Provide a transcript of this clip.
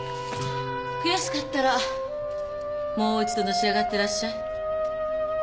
悔しかったらもう一度のし上がってらっしゃい。